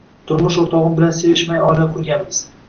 Turmush o`rtog`im bilan sevishmay oila qurganmiz